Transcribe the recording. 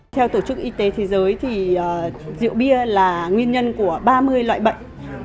theo tổ chức y tế thế giới thì rượu bia là nguyên nhân của ba mươi loại bệnh